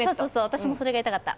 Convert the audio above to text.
私もそれが言いたかった。